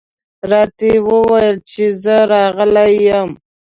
راته یې وویل چې زه راغلی یم.